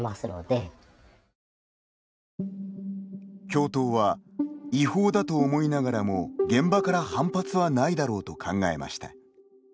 教頭は、違法だと思いながらも現場から反発はないだろうと考えました。